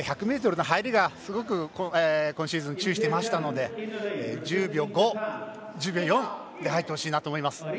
１００ｍの入りがすごく今シーズン注意していましたので１０秒５、１０秒４で入ってほしいなと思います。